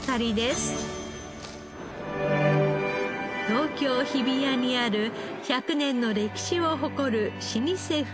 東京日比谷にある１００年の歴史を誇る老舗フレンチ。